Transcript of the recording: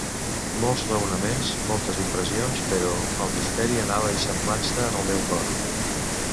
Molts raonaments, moltes impressions, però el misteri anava eixamplant-se en el meu cor.